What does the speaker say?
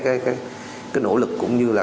cái nỗ lực cũng như là